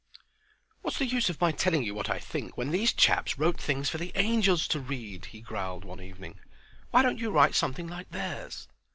"What's the use of my telling you what I think, when these chaps wrote things for the angels to read?" he growled, one evening. "Why don't you write something like theirs?"